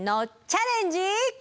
「チャレンジ！」。